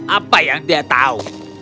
apa yang dia tahu